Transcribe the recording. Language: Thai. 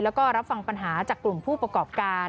แล้วก็รับฟังปัญหาจากกลุ่มผู้ประกอบการ